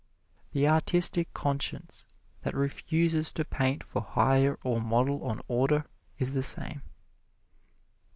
The artistic conscience that refuses to paint for hire or model on order is the same.